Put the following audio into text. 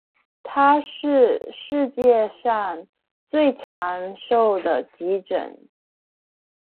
它是世界上最长寿的急诊。